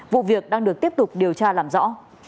vụ việc đang được tiếp tục điều tra làm rõ